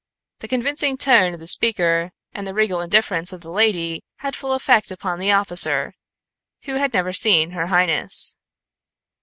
The convincing tone of the speaker and the regal indifference of the lady had full effect upon the officer, who had never seen her highness.